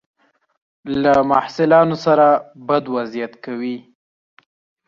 له محصلانو سره بد وضعیت کوي.